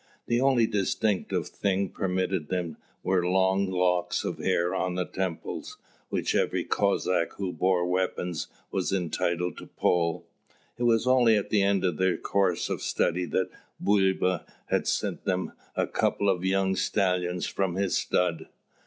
The only distinctive things permitted them were long locks of hair on the temples, which every Cossack who bore weapons was entitled to pull. It was only at the end of their course of study that Bulba had sent them a couple of young stallions from his stud.